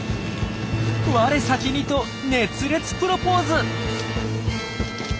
われさきにと熱烈プロポーズ。